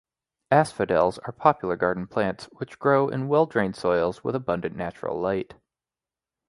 Asphodels are popular garden plants, which grow in well-drained soils with abundant natural light.